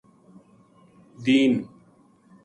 دین